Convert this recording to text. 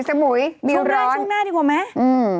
ชุดได้ชุดหน้าดีกว่าไหม